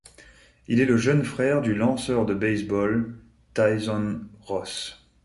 Il est le jeune frère du lanceur de baseball Tyson Ross.